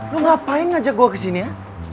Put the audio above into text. lo ngapain aja gue kesini ya